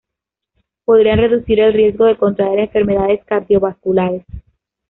Podrían reducir el riesgo de contraer enfermedades cardiovasculares.